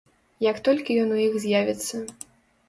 Як толькі ён у іх з'явіцца.